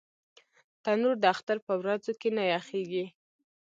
تنور د اختر پر ورځو کې نه یخېږي